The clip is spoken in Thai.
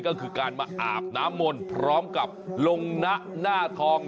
ก็คือการมาอาบน้ำมนต์พร้อมกับลงนะหน้าทอง